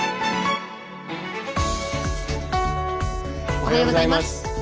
おはようございます。